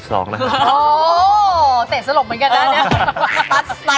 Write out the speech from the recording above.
โอ้วเสร็จสลบเหมือนกันนะเนี่ย